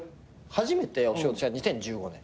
初めてお仕事したの２０１５年。